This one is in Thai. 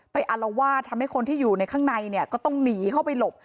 อารวาสทำให้คนที่อยู่ในข้างในเนี่ยก็ต้องหนีเข้าไปหลบ